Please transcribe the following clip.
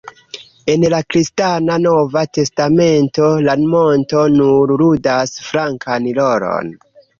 En la kristana Nova Testamento la monto nur ludas flankan rolon.